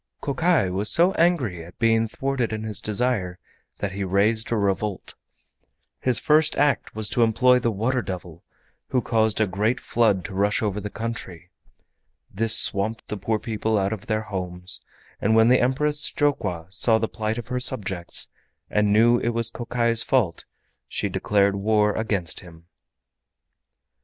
Kokai was so angry at being thwarted in his desire that he raised a revolt. His first act was to employ the Water Devil, who caused a great flood to rush over the country. This swamped the poor people out of their homes, and when the Empress Jokwa saw the plight of her subjects, and knew it was Kokai's fault, she declared war against him.